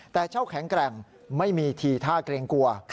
แต่เช่าแข็งแกร่งไม่มีทีท่าเกรงกลัว